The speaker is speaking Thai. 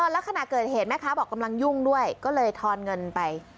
แล้วขณะเกิดเหตุแม่ค้าบอกกำลังยุ่งด้วยก็เลยทอนเงินไป